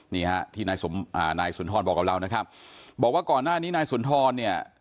นี่ฮะที่นายสุนทรบอกกับเรานะครับบอกว่าก่อนหน้านี้นายสุนทรเนี่ย